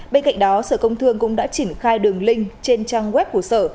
bên cạnh đó sở công thương cũng đã triển khai đường link trên trang web của sở